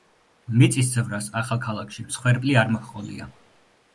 მიწისძვრას ახალქალაქში მსხვერპლი არ მოჰყოლია.